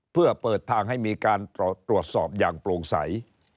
เพื่อเปิดทางให้มีการตรวจสอบอย่างโปร่งใส